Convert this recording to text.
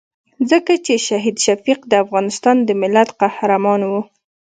ځکه چې شهید شفیق د افغانستان د ملت قهرمان وو.